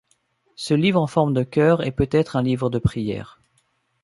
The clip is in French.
Ce livre, en forme de cœur, est peut-être un livre de prières.